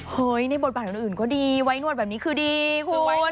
ในบทบาทอื่นก็ดีไว้นวดแบบนี้คือดีคุณ